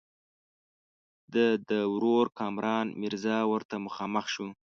د ده ورور کامران میرزا ورته مخامخ شو.